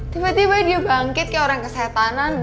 tiba tiba dia bangkit kayak orang kesehatan